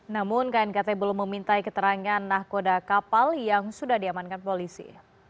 namun knkt belum memintai keterangan nahkoda kapal yang sudah diamankan polisi